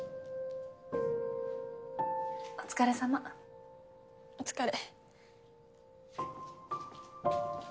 お疲れさまお疲れ